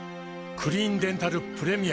「クリーンデンタルプレミアム」